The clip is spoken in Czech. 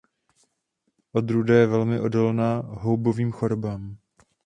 Odrůda je velmi odolná houbovým chorobám.